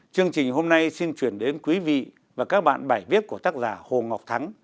chương trình hôm nay xin chuyển đến quý vị và các bạn bài viết của tác giả hồ ngọc thắng